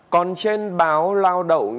còn trên báo lao động